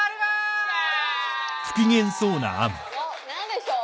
よっ何でしょう？